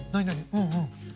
うんうん。